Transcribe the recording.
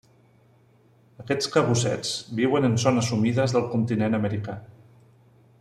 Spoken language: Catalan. Aquests cabussets viuen en zones humides del continent americà.